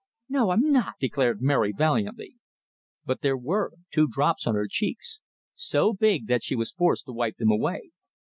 "No, I'm not," declared Mary, vialiantly. But there were two drops on her cheeks, so big that she was forced to wipe them away.